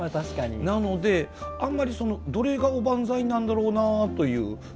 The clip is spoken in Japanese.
なのであんまり、どれがおばんざいなんだろうなという。